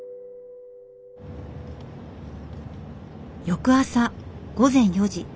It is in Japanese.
翌朝午前４時。